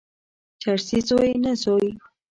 چرسي زوی، نه زوی.